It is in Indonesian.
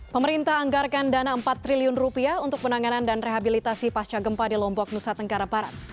pemerintah anggarkan dana empat triliun rupiah untuk penanganan dan rehabilitasi pasca gempa di lombok nusa tenggara barat